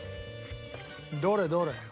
どれどれ。